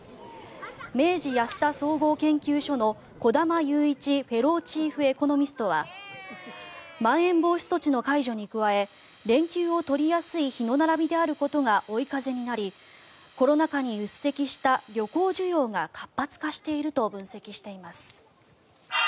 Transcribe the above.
明治安田総合研究所の小玉祐一フェローチーフエコノミストはまん延防止措置の解除に加え連休を取りやすい日の並びであることが追い風になりコロナ禍にうっ積した旅行需要が活発化していると分析しています。